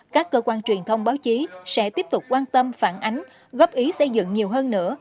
các cơ quan truyền thông báo chí sẽ tiếp tục quan tâm phản ánh góp ý xây dựng nhiều hơn nữa